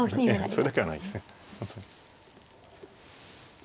それだけはないですね。